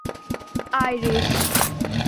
Irish